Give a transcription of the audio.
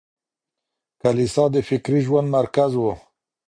کليسا د فکري ژوند مرکز و.